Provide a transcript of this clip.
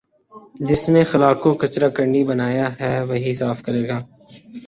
جس نے خلاکو کچرا کنڈی بنایا ہے وہی صاف کرے گا